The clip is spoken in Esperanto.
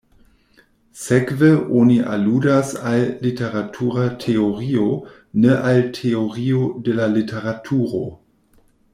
Sekve oni aludas al "literatura teorio", ne al "teorio de la literaturo".